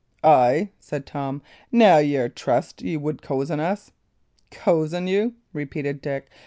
"Ay," said Tom, "now y' are trussed ye would cozen us." "Cozen you!" repeated Dick.